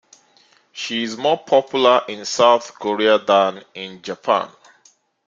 She is more popular in South Korea than in Japan.